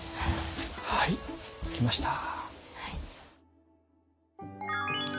はい着きました。